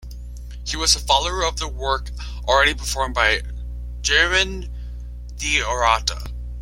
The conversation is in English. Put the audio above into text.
He was the follower of the work already performed by Jeronim De Rada.